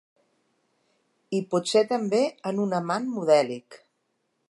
I potser també en un amant modèlic.